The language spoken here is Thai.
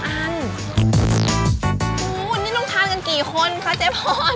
อันนี้ต้องทานกันกี่คนคะเจ๊พร